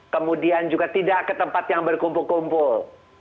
kemudian juga tidak ke tempat yang berkumpul kumpul